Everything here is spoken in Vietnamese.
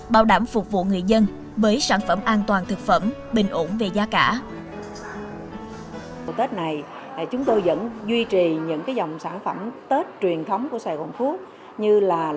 bảo đảm phục vụ người dân với sản phẩm an toàn thực phẩm bình ổn về giá cả